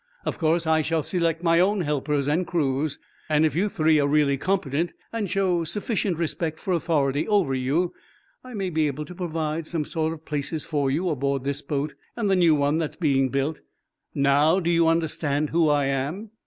"Of course, I shall select my own helpers and crews. If you three are really competent, and show sufficient respect for authority over you, I may be able to provide some sort of places for you aboard this boat and the new one that's being built. Now, do you understand who I am?"